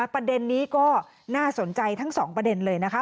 ประเด็นนี้ก็น่าสนใจทั้งสองประเด็นเลยนะคะ